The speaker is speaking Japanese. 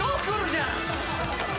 じゃん！